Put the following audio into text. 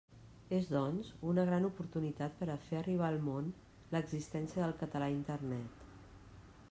És, doncs, una gran oportunitat per a fer arribar al món l'existència del català a Internet.